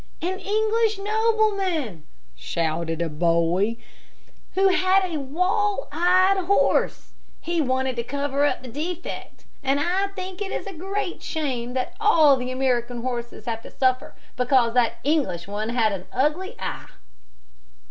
"An English nobleman," shouted a boy, "who had a wall eyed horse! He wanted to cover up the defect, and I think it is a great shame that all the American horses have to suffer because that English one had an ugly eye."